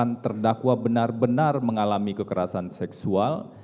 pemeriksaan terdakwa benar benar mengalami kekerasan seksual